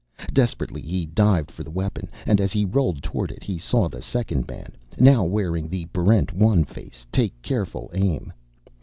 Desperately he dived for the weapon, and as he rolled toward it he saw the second man, now wearing the Barrent 1 face, take careful aim.